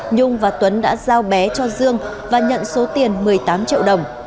nhung và tuấn đã giao bé cho dương và nhận số tiền một mươi tám triệu đồng